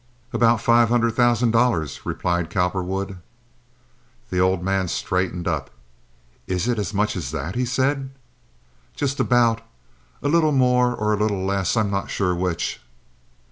"About five hundred thousand dollars," replied Cowperwood. The old man straightened up. "Is it as much as that?" he said. "Just about—a little more or a little less; I'm not sure which."